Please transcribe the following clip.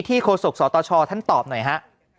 ที่โครสกสตชท่านตอบหน่อยฮะ